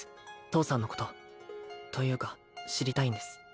父さんのことというか知りたいんです